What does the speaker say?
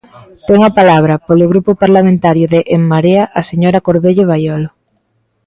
Ten a palabra, polo Grupo Parlamentario de En Marea, a señora Corvelle Baiolo.